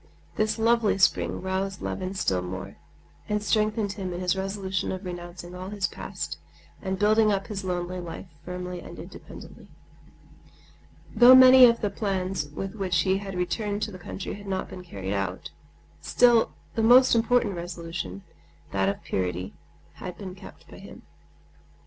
This lovely spring roused Levin still more, and strengthened him in his resolution of renouncing all his past and building up his lonely life firmly and independently. Though many of the plans with which he had returned to the country had not been carried out, still his most important resolution—that of purity—had been kept by him.